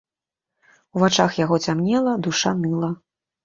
У вачах яго цямнела, душа ныла.